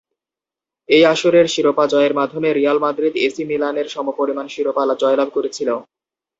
এই আসরের শিরোপা জয়ের মাধ্যমে রিয়াল মাদ্রিদ এসি মিলানের সমপরিমাণ শিরোপা জয়লাভ করেছিল।